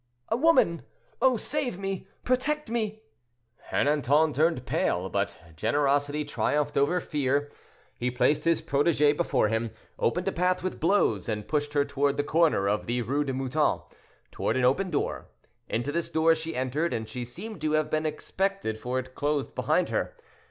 "A woman. Oh, save me! protect me!" Ernanton turned pale; but generosity triumphed over fear. He placed his protégée before him, opened a path with blows, and pushed her toward the corner of the Rue du Mouton, toward an open door. Into this door she entered; and she seemed to have been expected, for it closed behind her.